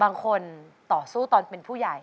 โอเค